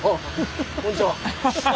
こんちは。